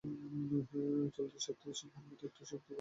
চলতি সপ্তাহে সিংহের একটা শক্তি পরীক্ষা হবে বলে মোর মনে লয়।